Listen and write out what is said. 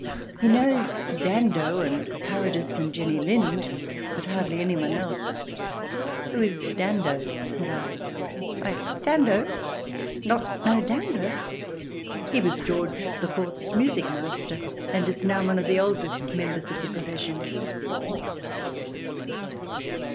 He knows Dando and Carrodus and Jenny Lind, but hardly any one else." "Who is Dando?" said I. "Why, Dando? Not know Dando? He was George the Fourth's music master, and is now one of the oldest members of the profession."